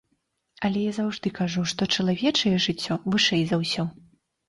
Але я заўжды кажу, што чалавечае жыццё вышэй за ўсё.